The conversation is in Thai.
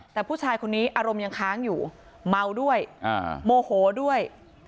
แต่ผู้ชายคนนี้อารมณ์ยังค้างอยู่เมาด้วยโมโหด้วย